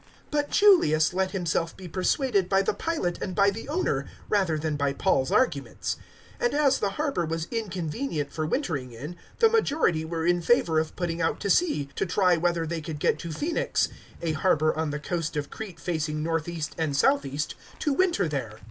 027:011 But Julius let himself be persuaded by the pilot and by the owner rather than by Paul's arguments; 027:012 and as the harbour was inconvenient for wintering in, the majority were in favour of putting out to sea, to try whether they could get to Phoenix a harbour on the coast of Crete facing north east and south east to winter there.